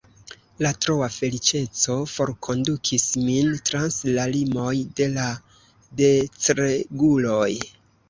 La troa feliĉeco forkondukis min trans la limoj de la decreguloj.